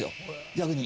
逆に。